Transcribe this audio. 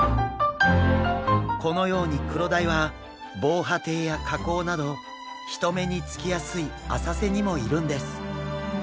このようにクロダイは防波堤や河口など人目につきやすい浅瀬にもいるんです。